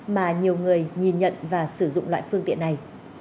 mà nhiều người nhìn nhận và sử dụng loại phương tiện này